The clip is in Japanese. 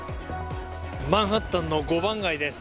マンハッタンの五番街です。